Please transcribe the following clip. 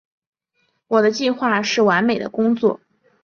我的计划是完美的工作。